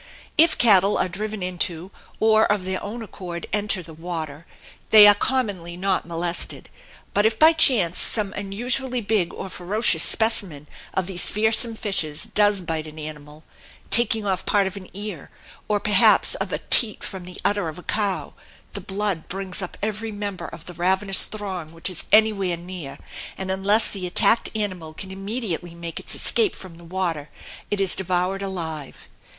If cattle are driven into, or of their own accord enter, the water, they are commonly not molested; but if by chance some unusually big or ferocious specimen of these fearsome fishes does bite an animal taking off part of an ear, or perhaps of a teat from the udder of a cow the blood brings up every member of the ravenous throng which is anywhere near, and unless the attacked animal can immediately make its escape from the water it is devoured alive.